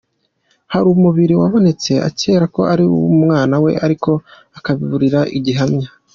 Hari umubiri wabonetse akeka ko ari uw’umwana we ariko akabiburira gihamya.